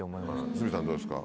鷲見さんどうですか？